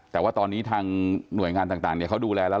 แต่ว่าตอนนี้ทางหน่วยงานต่างเขาดูแลแล้ว